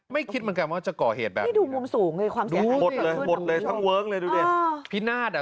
ไม่คิดเหมือนกันว่าจะก่อเหตุแบบนี้